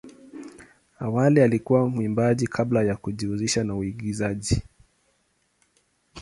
Awali alikuwa mwimbaji kabla ya kujihusisha na uigizaji.